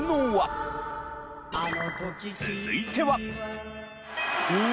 続いては。